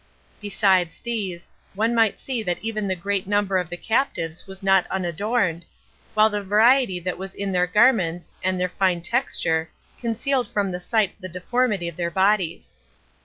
Besides these, one might see that even the great number of the captives was not unadorned, while the variety that was in their garments, and their fine texture, concealed from the sight the deformity of their bodies.